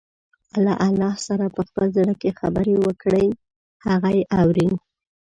له الله سره په خپل زړه کې خبرې وکړئ، هغه يې اوري.